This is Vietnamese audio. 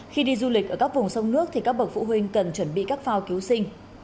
khi đi du lịch ở các vùng sông nước thì các bậc phụ huynh cần chuẩn bị các phao cứu sinh